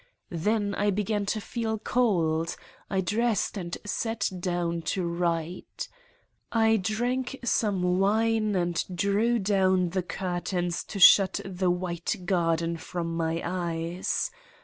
Then I began to feel cold. I dressed and sat down to write. I drank some wine and drew down the curtains to shut the white garden from my eyes.